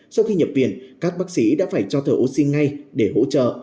sau khi nhập viện các bác sĩ đã phải cho thở oxy ngay để hỗ trợ